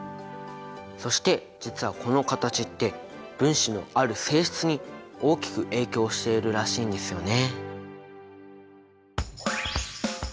そして実はこの形って分子のある性質に大きく影響しているらしいんですよね。